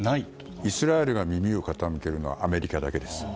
イスラエルが耳を傾けるのはアメリカだけです。